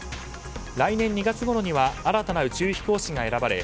来年２月ごろには新たな宇宙飛行士が選ばれ